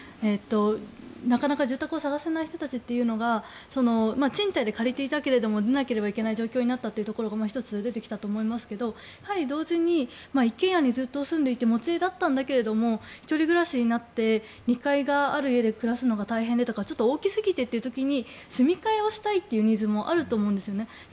なかなか住宅を探せない人たちというのが賃貸で借りていたけれども出なければいけない状況になったというのが１つ出てきたと思いますけどやはり同時に一軒家にずっと住んでいて持ち家だったんだけど１人暮らしになって２階がある家で暮らすのが大変でということや大きすぎて住み替えをしたいというニーズもあると思うんです。